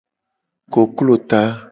Koklo ta.